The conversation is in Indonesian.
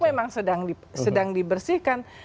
memang sedang dibersihkan